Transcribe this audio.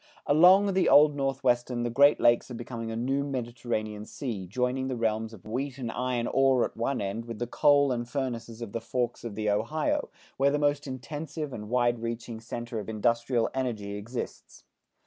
Along the Old Northwest the Great Lakes are becoming a new Mediterranean Sea joining the realms of wheat and iron ore, at one end with the coal and furnaces of the forks of the Ohio, where the most intense and wide reaching center of industrial energy exists.